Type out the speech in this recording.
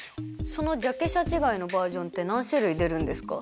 そのジャケ写違いのバージョンって何種類出るんですか？